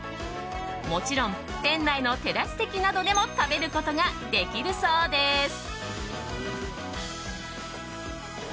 もちろん店内のテラス席などでも食べることができるそうです。